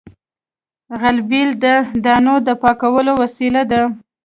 غلبېل د دانو د پاکولو وسیله ده